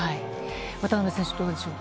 渡辺選手、どうでしょうか。